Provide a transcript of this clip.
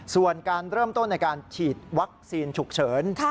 ส่วนการเริ่มต้นในการฉีดวัคซีนฉุกเฉิน